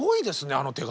あの手紙。